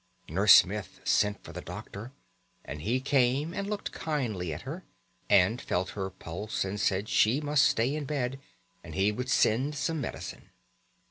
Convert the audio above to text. Nurse Smith sent for the doctor; and he came and looked kindly at her, and felt her pulse and said she must stay in bed and he would send some medicine.